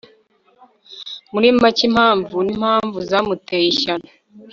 Muri make impamvu nimpamvu zamuteye ishyano